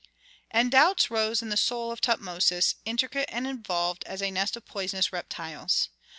And doubts rose in the soul of Tutmosis, intricate and involved as a nest of poisonous reptiles.